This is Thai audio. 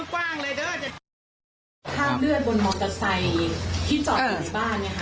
คราบเลือดบนมอเตอร์ไซค์ที่จอดในบ้าน